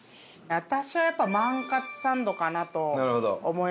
私はやっぱり万かつサンドかなと思いますね。